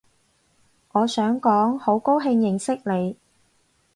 我想講好高興認識你